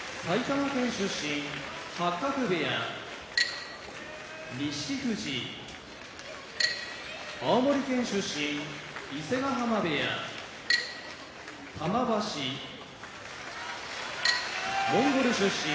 八角部屋錦富士青森県出身伊勢ヶ濱部屋玉鷲モンゴル出身